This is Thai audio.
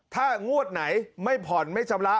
ถ้างวดไหนไม่ผ่อนไม่ชำระ